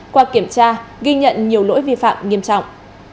qua kiểm tra ghi nhận nhiều lỗi vi phạm nghiêm trọng